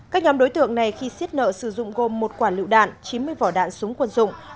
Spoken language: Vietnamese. các nhóm đối tượng này khi xiết nợ sử dụng gồm một quả lựu đạn chín mươi vỏ đạn súng quân dụng